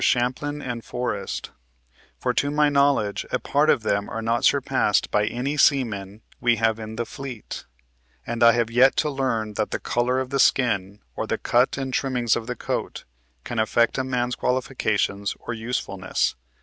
Champlin and Forrest ; for to my knowledge a part of them are not surpassed by any seamen we have in the fleet ; and I have yet to learn that the color of the skin, or the cut and trimmings of the coat, can affect a man's qualifications or usefulness.